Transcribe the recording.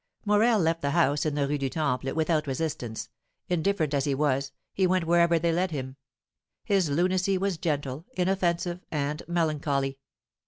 Morel left the house in the Rue du Temple without resistance; indifferent as he was, he went wherever they led him, his lunacy was gentle, inoffensive, and melancholy.